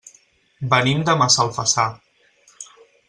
Venim de Massalfassar.